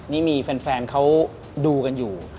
นี่มีแฟนเขาดูกันอยู่